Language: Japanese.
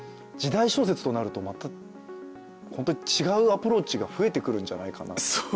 時代小説となると違うアプローチが増えてくるんじゃないかな。